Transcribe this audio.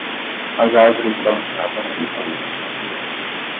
As árvores balançavam uniformemente na brisa.